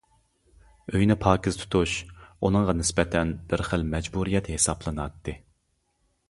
ئۆينى پاكىز تۇتۇش ئۇنىڭغا نىسبەتەن بىر خىل مەجبۇرىيەت ھېسابلىناتتى.